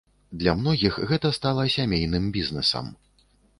Для многіх гэта стала сямейным бізнэсам.